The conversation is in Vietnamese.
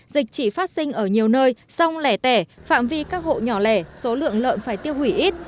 dịch chỉ phát sinh ở nhiều nơi song lẻ tẻ phạm vi các hộ nhỏ lẻ số lượng lợn phải tiêu hủy ít